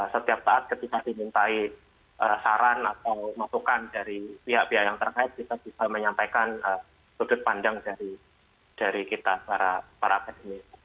setiap saat ketika dimintai saran atau masukan dari pihak pihak yang terkait kita bisa menyampaikan sudut pandang dari kita para akademi